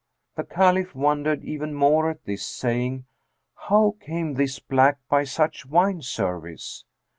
The Caliph wondered even more at this, saying, "How came this black by such wine service?"